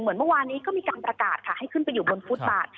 เหมือนเมื่อวานี้ก็มีการประกาศให้ขึ้นไปอยู่บนฟุตปาด